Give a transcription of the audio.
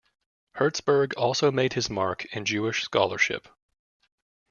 Hertzberg also made his mark in Jewish scholarship.